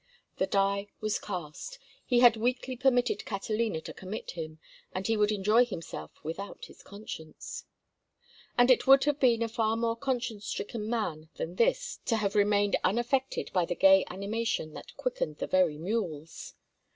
The die was cast, he had weakly permitted Catalina to commit him, and he would enjoy himself without his conscience. And it would have been a far more conscience stricken man than this to have remained unaffected by the gay animation that quickened the very mules.